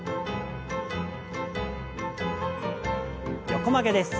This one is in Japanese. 横曲げです。